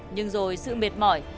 nhưng rồi sự mệt mỏi